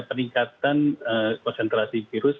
peningkatan konsentrasi virus